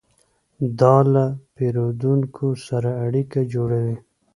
دا له پیرودونکو سره اړیکه جوړوي.